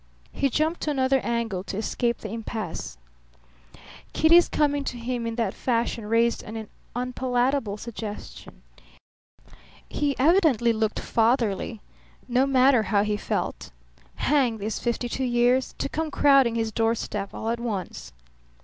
He jumped to another angle to escape the impasse. Kitty's coming to him in that fashion raised an unpalatable suggestion. He evidently looked fatherly, no matter how he felt. Hang these fifty two years, to come crowding his doorstep all at once!